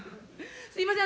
すいません。